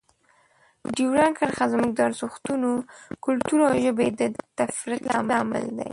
ډیورنډ کرښه زموږ د ارزښتونو، کلتور او ژبې د تفرقې لامل ده.